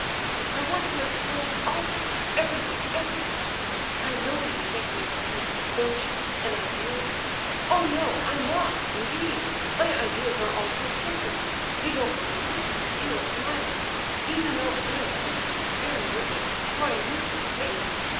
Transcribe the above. "I want to explain all to you—everything—everything! I know you think me Utopian, don't you—an idealist? Oh, no! I'm not, indeed—my ideas are all so simple. You don't believe me? You are smiling. Do you know, I am sometimes very wicked—for I lose my faith?